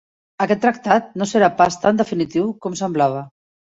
Aquest tractat no serà pas tan definitiu com semblava.